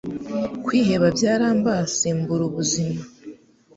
Kwiheba byarambase mbura ubuzima